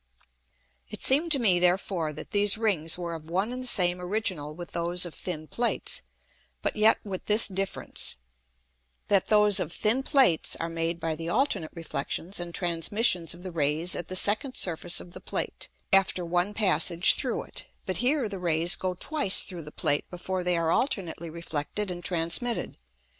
It seemed to me therefore that these Rings were of one and the same original with those of thin Plates, but yet with this difference, that those of thin Plates are made by the alternate Reflexions and Transmissions of the Rays at the second Surface of the Plate, after one passage through it; but here the Rays go twice through the Plate before they are alternately reflected and transmitted.